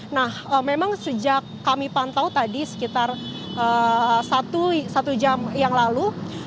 nah memang sejak kami pantau tadi sekitar satu jam yang lalu